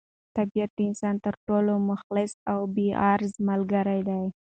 طبیعت د انسان تر ټولو مخلص او بې غرضه ملګری دی.